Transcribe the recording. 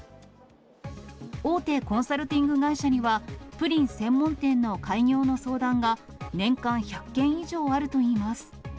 大手コンサルティング会社には、プリン専門店の開業の相談が、年間１００件以上あるといいます。